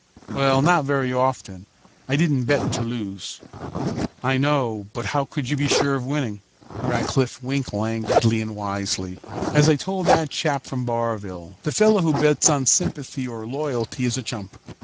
"Well, not very often. I didn't bet to lose." "I know, but how could you be sure of winning?" Rackliff winked languidly and wisely. "As I told that chap from Barville, the fellow who bets on sympathy or loyalty is a chump.